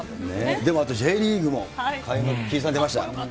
でもあとＪリーグも開幕、北澤さん、出ました。